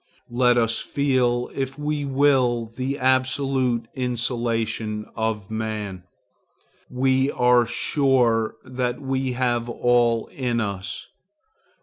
Let us feel if we will the absolute insulation of man. We are sure that we have all in us.